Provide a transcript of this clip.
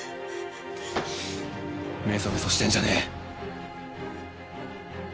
めそめそしてんじゃねえ！